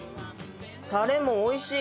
タレも美味しい！